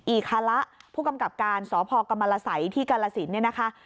อีคาระผู้กำกับการสพกไซที่กาลสินเนี่ยนะคะ